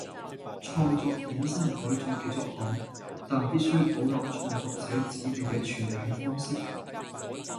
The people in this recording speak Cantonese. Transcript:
創作衍生改作嘅作品，但必須保留創作者指定嘅全名方式